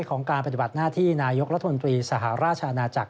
ของการปฏิบัติหน้าที่นายกรัฐมนตรีสหราชอาณาจักร